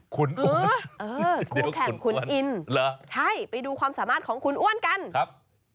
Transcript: ขุนอ้วนเดี๋ยวขุนอ้วนใช่ไปดูความสามารถของขุนอ้วนกันครับ